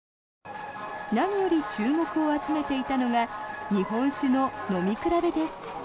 何より注目を集めていたのが日本酒の飲み比べです。